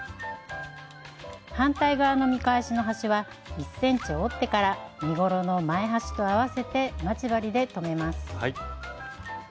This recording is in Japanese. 反対側の見返しの端は１ｃｍ折ってから身ごろの前端と合わせて待ち針で留めます。